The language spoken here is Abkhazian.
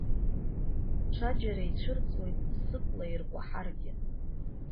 Ҽаџьара ицәырҵуеит сыпла иркәаҳаргьы.